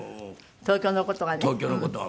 東京の事がね。